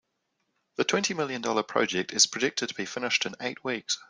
The twenty million dollar project is projected to be finished in eight weeks.